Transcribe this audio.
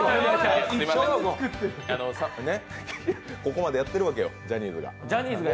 ここまでやってるわけよ、ジャニーズが。